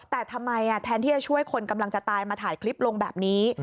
แต่ทำไมแทนที่จะช่วยคนกำลังจะตายมาถ่ายคลิปลงแบบนี้